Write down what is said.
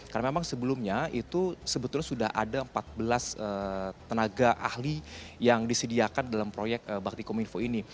karena memang sebelumnya itu sebetulnya sudah ada empat belas tenaga ahli yang disediakan dalam proyek bakti komunfo ini